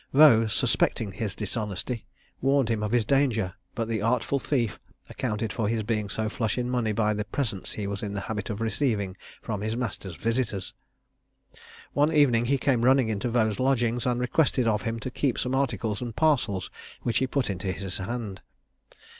Vaux, suspecting his dishonesty, warned him of his danger; but the artful thief accounted for his being so flush in money by the presents he was in the habit of receiving from his master's visitors. One evening he came running into Vaux's lodgings, and requested of him to keep some articles and parcels which he put into his hand.